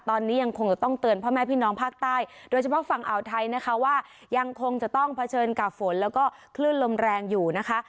ตอนนี้ยังคงจะต้องเตือนพ่อแม่พี่น้องภาคใต้โดยเฉพาะฝั่งอ่าวไทยนะคะว่ายังคงจะต้องเผชิญกับฝนแล้วก็คลื่นลมแรงอยู่นะคะ